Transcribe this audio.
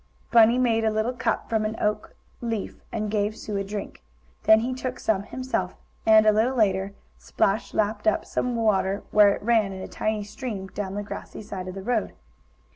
Bunny made a little cup, from an oak leaf, and gave Sue a drink. Then he took some himself, and, a little later, Splash lapped up some water where it ran in a tiny stream down the grassy side of the road.